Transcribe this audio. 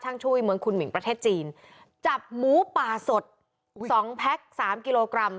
ช่วยเมืองคุณหมิงประเทศจีนจับหมูป่าสดสองแพ็คสามกิโลกรัม